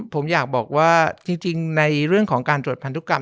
ผมอยากบอกว่าจริงในเรื่องของการตรวจพันธุกรรม